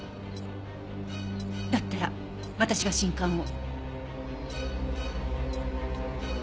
だったら私が信管を。